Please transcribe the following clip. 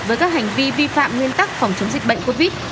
với các hành vi vi phạm nguyên tắc phòng chống dịch bệnh covid